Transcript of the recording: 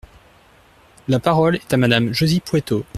La parole est à Madame Josy Poueyto.